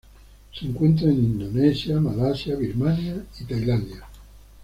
Se encuentra en Indonesia, Malasia, Birmania, y Tailandia.